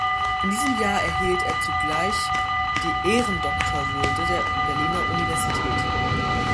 In diesem Jahr erhielt er zugleich die Ehrendoktorwürde der Berliner Universität.